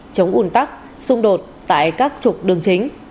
chống ủn tắc xung đột tại các trục đường chính